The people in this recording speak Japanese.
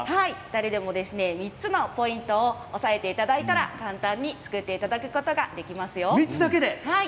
誰でも３つのポイントを押さえたら簡単に作っていただくことができますよ。